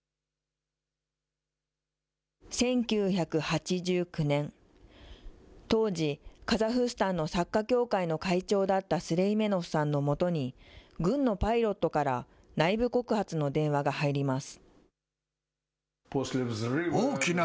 １９８９年、当時、カザフスタンの作家協会の会長だったスレイメノフさんのもとに、軍のパイロットから内部告発の電話が入ります。